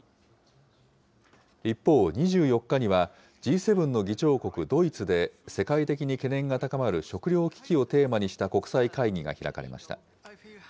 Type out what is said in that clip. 一方、２４日にはＧ７の議長国ドイツで、世界的に懸念が高まる食料危機をテーマにした国際会議が開かれました。